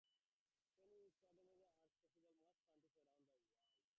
Training in culinary arts is possible in most countries around the world.